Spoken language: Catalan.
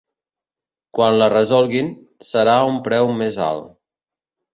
Quan les resolguin, serà a un preu més alt.